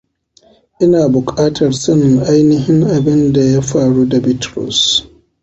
Ina buƙatar sanin ainihin abin da ya faru da Bitrus.